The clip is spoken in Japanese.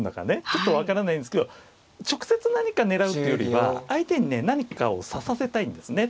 ちょっと分からないんですけど直接何か狙うというよりは相手にね何かを指させたいんですね。